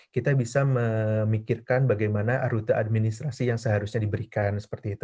kita bisa memikirkan bagaimana rute administrasi yang seharusnya diberikan